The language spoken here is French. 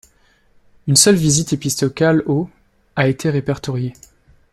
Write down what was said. Une seule visite épiscopale au a été répertoriée.